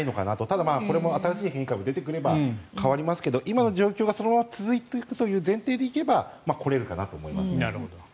ただ、新しい変異株が出てくれば変わりますが今の状況がそのまま続いていくという前提でいけば来れるかなと思います。